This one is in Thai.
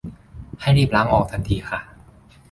ให้รีบล้างออกทันทีค่ะ